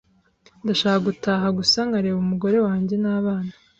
Ndashaka gutaha gusa nkareba umugore wanjye nabana.